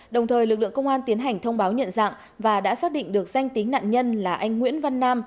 đồng thời lực lượng công an tiến hành thông báo nhận dạng và đã xác định được danh tính nạn nhân là anh nguyễn văn nam